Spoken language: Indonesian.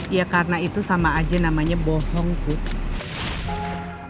ya karena itu sama aja namanya bohong tuh